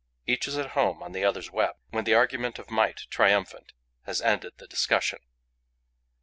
Each is at home on the other's web, when the argument of might triumphant has ended the discussion.